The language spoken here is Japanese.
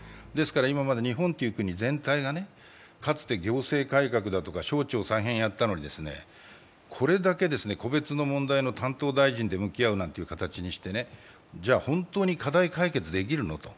今まで日本という国全体が、かつて行政改革だとか省庁再編をやったのにこれだけ個別の問題の担当大臣で向き合うなんて形にしてじゃ本当に課題解決できるのかと。